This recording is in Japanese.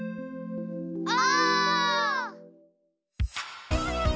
お！